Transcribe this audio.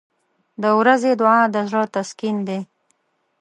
• د ورځې دعا د زړه تسکین دی.